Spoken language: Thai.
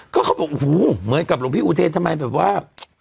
ก็เขาบอกโอ้โหเหมือนกับหลวงพี่อุเทนทำไมแบบว่า